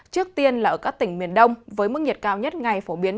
trước tiên là ở các tỉnh miền đông với mức nhiệt cao nhất ngày phổ biến